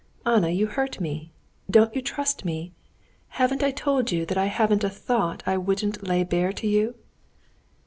"Anna, you hurt me. Don't you trust me? Haven't I told you that I haven't a thought I wouldn't lay bare to you?"